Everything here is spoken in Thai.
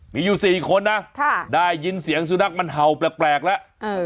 มีอยู่๔คนนะได้ยินเสียงสุนัขมันเห่าแปลกแล้ว